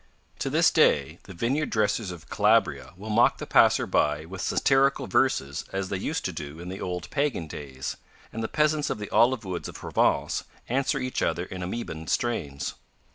To this day, the vineyard dressers of Calabria will mock the passer by with satirical verses as they used to do in the old pagan days, and the peasants of the olive woods of Provence answer each other in amoebaean strains.